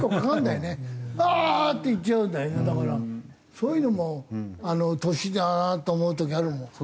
そういうのも年だなと思う時あるもん。